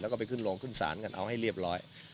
แล้วก็ไปขึ้นโรงขึ้นศาลกันเอาให้เรียบร้อย